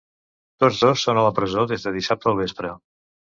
Tots dos són a la presó des de dissabte al vespre.